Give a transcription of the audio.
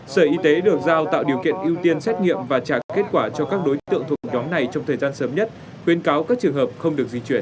sở y tế được giao tạo điều kiện ưu tiên xét nghiệm và trả kết quả cho các đối tượng thuộc nhóm này trong thời gian sớm nhất khuyên cáo các trường hợp không được di chuyển